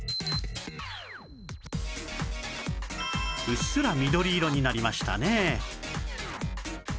うっすら緑色になりましたね